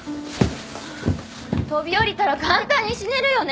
飛び降りたら簡単に死ねるよね。